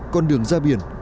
con đường ra biển